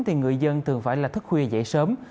thì người dân thường phải là thức khuya dễ sớm